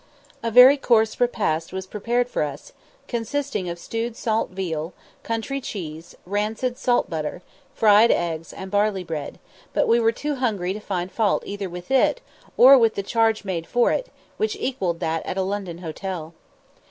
A very coarse repast was prepared for us, consisting of stewed salt veal, country cheese, rancid salt butter, fried eggs, and barley bread; but we were too hungry to find fault either with it, or with the charge made for it, which equalled that at a London hotel.